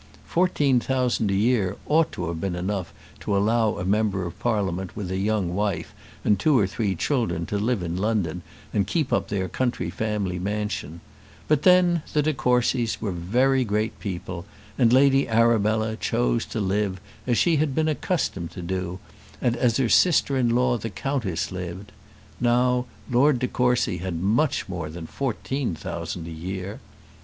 Fourteen thousand a year ought to have been enough to allow a member of Parliament with a young wife and two or three children to live in London and keep up their country family mansion; but then the de Courcys were very great people, and Lady Arabella chose to live as she had been accustomed to do, and as her sister in law the countess lived: now Lord de Courcy had much more than fourteen thousand a year.